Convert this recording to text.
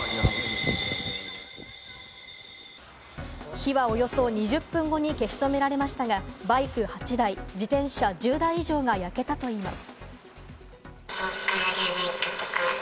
火はおよそ２０分後に消し止められましたが、バイク８台、自転車１０台以上が焼けたといいます。